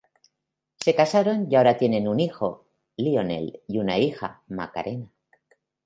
Se casaron y ahora tienen un hijo, Lionel, y una hija, Macarena.